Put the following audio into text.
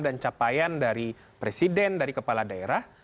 capaian dari presiden dari kepala daerah